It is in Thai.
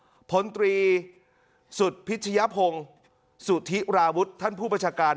พลตรีสุดพิชยพงศ์สุธิราวุฒิท่านผู้ประชาการ